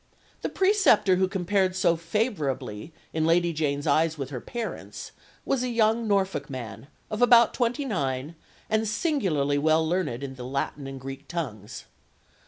The preceptor who compared so favourably in Lady Jane's eyes with her parents, was a young Norfolk man, of about twenty nine, and singularly well learned in the Latin and Greek tongues.